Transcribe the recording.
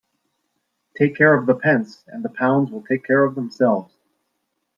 Take care of the pence and the pounds will take care of themselves.